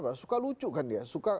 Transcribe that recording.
dia suka kucu kan dia